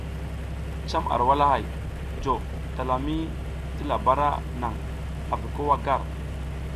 Cam ar walahay jo talami ti labara naŋ avi ko wa gar.